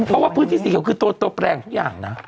เพราะว่าพื้นที่สีเขียวคือตัวแปลงทุกอย่างนะ